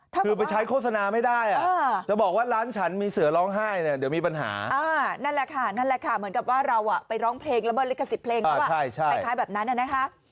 ถ้าบอกว่าไปใช้โฆษณาไม่ได้อ่าจะบอกว่าร้านฉันมีเสือร้องไห้เนี่ยเดี๋ยวมีปัญหาอ่านั่นแหละค่ะนั่นแหละค่ะเหมือนกับว่าเราอ่ะไปร้องเพลงแล้วเมื่อเล็กกันสิบเพลงเพราะว่าใช่ใช่คล้ายแบบนั้นอ่ะนะคะ